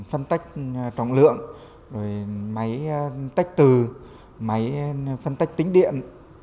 phân tách trọng lượng rồi máy tách từ máy phân tách tính điện